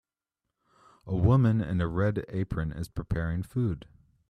A woman in a red apron is preparing food.